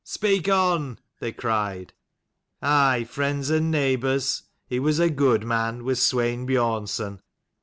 ("Speak on!" they cried.) " Aye, friends and neighbours, he was a good man, was Swein Biornson.